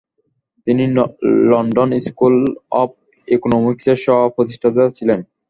তিনি London school of ইকোনমিক্সের সহ-প্রতিষ্ঠাতা ছিলেন।